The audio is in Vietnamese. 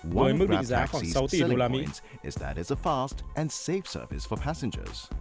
với mức định giá khoảng sáu tỷ usd